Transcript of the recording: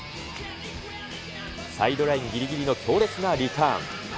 サイドラインぎりぎりの強烈なリターン。